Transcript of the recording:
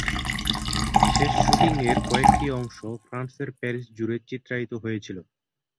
শেষ শুটিং এর কয়েকটি অংশ ফ্রান্সের প্যারিস জুড়ে চিত্রায়িত হয়েছিল।